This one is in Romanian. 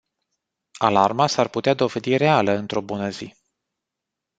Alarma s-ar putea dovedi reală într-o bună zi.